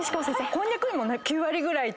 こんにゃく９割ぐらいって。